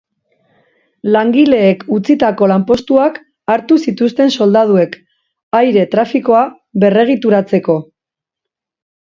Langileek utzitako lanpostuak hartu zituzten soldaduek, aire trafikoa berregituratzeko.